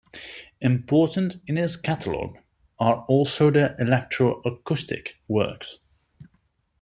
Important in his catalogue are also the electroacoustic works.